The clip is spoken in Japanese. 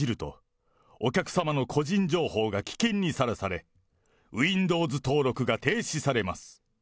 このウィンドウを閉じると、お客様の個人情報が危険にさらされ、ウィンドウズ登録が停止されます。